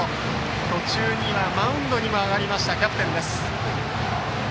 途中にはマウンドにも上がりましたキャプテンです。